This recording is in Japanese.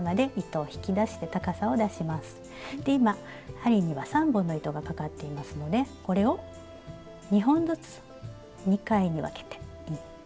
今針には３本の糸がかかっていますのでこれを２本ずつ２回に分けて１回。